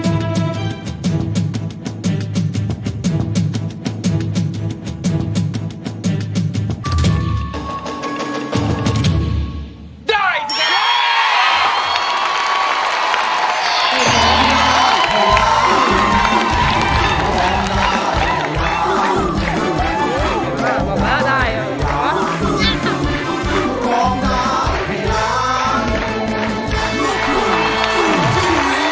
โทษใจโทษใจโทษใจ